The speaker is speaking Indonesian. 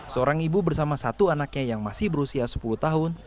seorang ibu bersama satu anaknya yang masih berusia sepuluh tahun